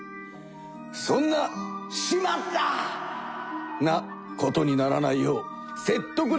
そんな「しまった！」なことにならないようせっとく